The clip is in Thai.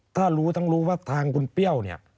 ถ้ารู้ทั้งรู้ว่าทางคุณเปรี้ยวเนี่ย